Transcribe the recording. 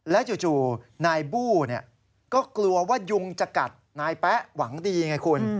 จู่นายบู้ก็กลัวว่ายุงจะกัดนายแป๊ะหวังดีไงคุณ